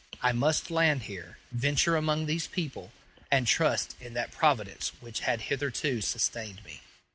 I must land here, venture among these people, and trust in that Providence which had hitherto sustained me.